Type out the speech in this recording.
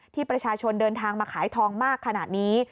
ที่ประชาชนเดินทางมาขายทองมากขนาดนี้